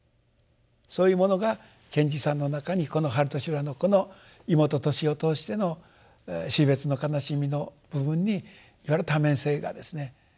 そういうものが賢治さんの中にこの「春と修羅」のこの妹トシを通しての死別の悲しみの部分にいわゆる多面性がですね